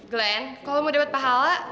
glenn kalau mau dapat pahala